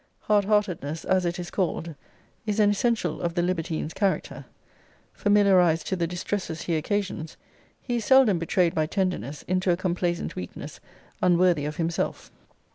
Hard heartedness, as it is called, is an essential of the libertine's character. Familiarized to the distresses he occasions, he is seldom betrayed by tenderness into a complaisant weakness unworthy of himself.